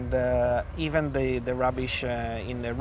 dan bahkan kerabat di wilayah asing